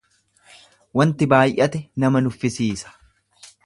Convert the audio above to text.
Wanti baay'ate nama nuffisiisa.